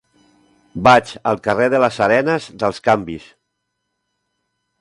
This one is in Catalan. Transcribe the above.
Vaig al carrer de les Arenes dels Canvis.